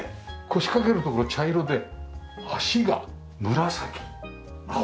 腰掛けるところ茶色で脚が紫青。